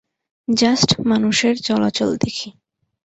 Just মানুষের চলাচল দেখি।